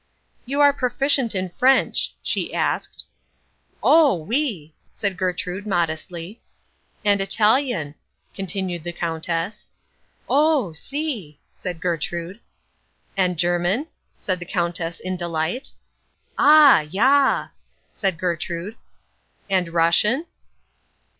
"You are proficient in French," she asked. "Oh, oui," said Gertrude modestly. "And Italian," continued the Countess. "Oh, si," said Gertrude. "And German," said the Countess in delight. "Ah, ja," said Gertrude. "And Russian?"